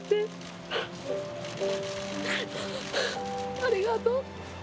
ありがとうって。